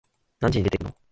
何時に出てくの？